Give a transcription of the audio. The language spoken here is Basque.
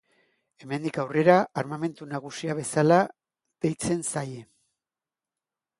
Hemendik aurrera, Armamentu Nagusia bezala deitzen zaie.